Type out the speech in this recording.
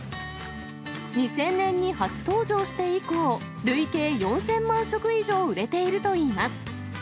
２０００年に初登場して以降、累計４０００万食以上売れているといいます。